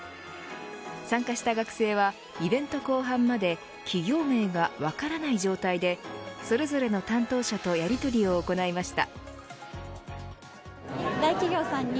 参加した学生はイベント後半まで企業名が分からない状態でそれぞれの担当者とやり取りを行いました。